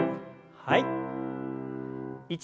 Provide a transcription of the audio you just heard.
はい。